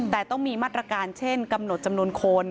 แต่ต้องมีมาตรการเช่นกำหนดจำนวนคน